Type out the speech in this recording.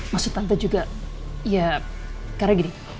maksud tante juga ya karena gini